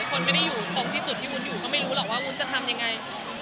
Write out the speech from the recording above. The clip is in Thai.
คนไม่ได้อยู่ตรงที่จุดที่วุ้นอยู่ก็ไม่รู้หรอกว่าวุ้นจะทำยังไง